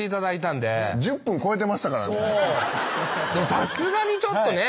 でもさすがにちょっとね